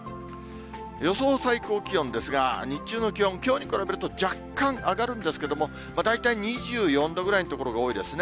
予想最高気温ですが、日中の気温、きょうに比べると、若干上がるんですけれども、大体２４度ぐらいの所が多いですね。